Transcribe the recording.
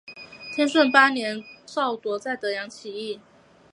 天顺八年赵铎在德阳起义。